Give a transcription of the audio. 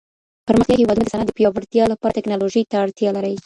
پرمختيايي هېوادونه د صنعت د پياوړتيا لپاره ټکنالوژۍ ته اړتیا لري.